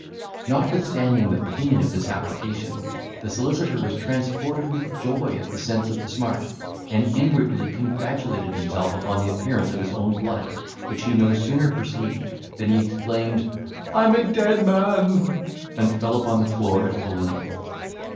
Notwithstanding the pain of this application, the solicitor was transported with joy at the sense of the smart, and inwardly congratulated himself upon the appearance of his own blood, which he no sooner perceived, than he exclaimed, "I'm a dead man," and fell upon the floor at full length.